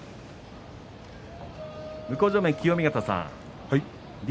向正面の清見潟さん竜